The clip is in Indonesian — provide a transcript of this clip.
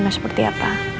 gak seperti apa